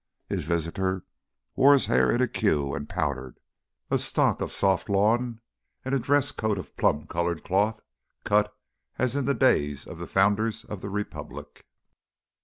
His visitor wore his hair in a queue and powdered, a stock of soft lawn, and a dress coat of plum coloured cloth cut as in the days of the founders of the Republic.